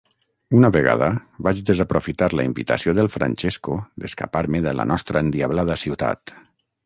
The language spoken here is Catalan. Una vegada vaig desaprofitar la invitació del Francesco d'escapar-me de la nostra endiablada ciutat.